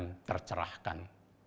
kita bisa menerahkan